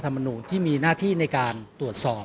ก็ต้องทำอย่างที่บอกว่าช่องคุณวิชากำลังทำอยู่นั่นนะครับ